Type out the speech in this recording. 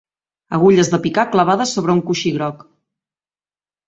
Agulles de picar clavades sobre un coixí groc